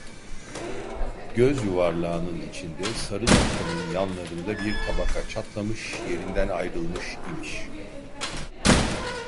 Göz yuvarlağının içinde, sarı noktanın yanlarında bir tabaka çatlamış, yerinden ayrılmış imiş.